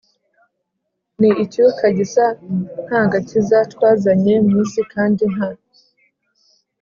Ni icyuka gisa nta gakiza twazanye mu isi kandi nta